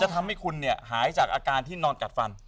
ทำให้คุณหายจากอาการที่นอนกัดฟัน